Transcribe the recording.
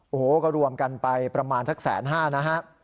โอ้โหก็รวมกันไปประมาณทักแสนห้านะฮะ